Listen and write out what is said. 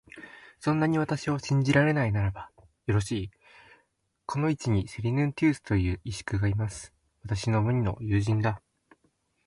そんなに私を信じられないならば、よろしい、この市にセリヌンティウスという石工がいます。私の無二の友人だ。